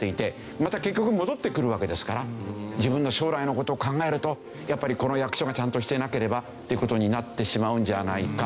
また結局戻ってくるわけですから自分の将来の事を考えるとやっぱりこの役所がちゃんとしていなければっていう事になってしまうんじゃないか。